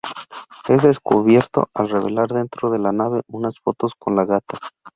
Es descubierto al revelar dentro de la nave unas fotos con la gata.